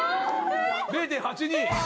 ０．８２！